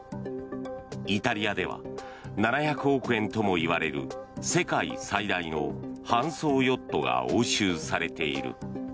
イタリアでは７００億円ともいわれる世界最大の帆走ヨットが押収されている。